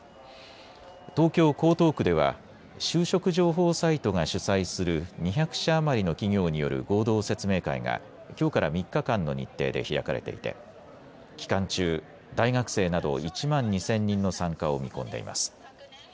東京江東区では就職情報サイトが主催する２００社余りの企業による合同説明会がきょうから３日間の日程で開かれていて期間中、大学生など１万２０００人の参加を見込んでいます。